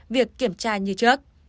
việc kiểm tra như trước